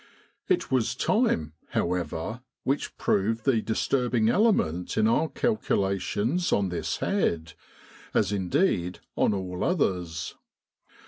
It was Time, however, which proved the disturb ing element in our calculations on this head, as in deed on all others.